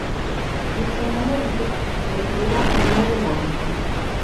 Nese momento, recibirá un novo nome.